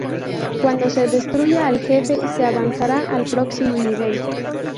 Cuando se destruya al jefe se avanzará al próximo nivel.